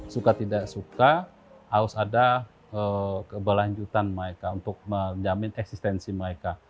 suka tidak suka harus ada keberlanjutan mereka untuk menjamin eksistensi mereka